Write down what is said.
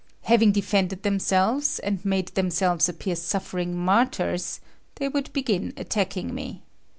Having defended themselves, and made themselves appear suffering martyrs, they would begin attacking me.